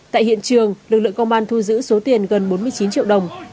tại hiện trường lực lượng công an thu giữ số tiền gần bốn mươi chín triệu đồng